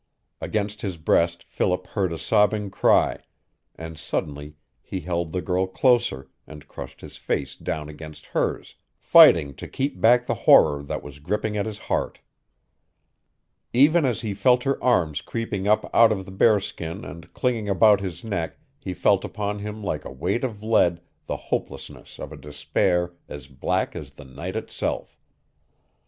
Against his breast Philip heard a sobbing cry, and suddenly he held the girl closer, and crushed his face down against hers, fighting to keep back the horror that was gripping at his heart. Even as he felt her arms creeping up out of the bearskin and clinging about his neck he felt upon him like a weight of lead the hopelessness of a despair as black as the night itself.